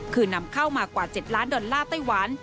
คือนำเข้ามากว่า๗ล้านดอลลาร์ไต้หวัน